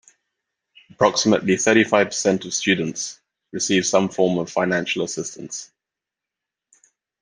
Approximately thirty-five percent of students receive some form of financial assistance.